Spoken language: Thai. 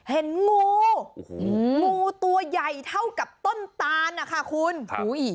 เห็นงูโอ้โหงูตัวใหญ่เท่ากับต้นตานนะคะคุณอุ้ย